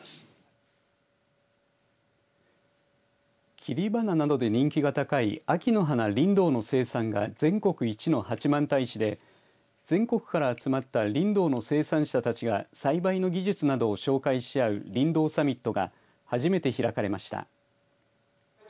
切り花などで人気が高い秋の花リンドウの生産が全国一の八幡平市で全国から集まったリンドウの生産者たちが栽培の技術などを紹介し合うりんどうサミットが初めて開かれました。